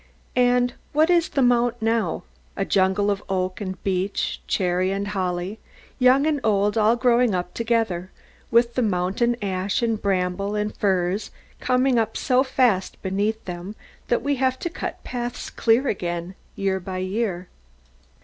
And what is the mount now? A jungle of oak and beech, cherry and holly, young and old all growing up together, with the mountain ash and bramble and furze coming up so fast beneath them, that we have to cut the paths clear again year by year.